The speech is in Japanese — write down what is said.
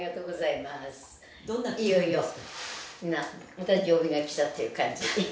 いよいよお誕生日が来たっていう感じ。